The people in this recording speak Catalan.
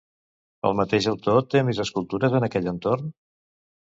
El mateix autor té més escultures en aquell entorn?